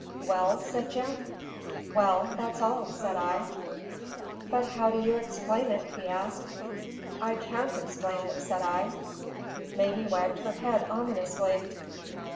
"Well?" said Jim. "Well, that's all," said I. "But how do you explain it?" he asked. "I can't explain it," said I. Mamie wagged her head ominously.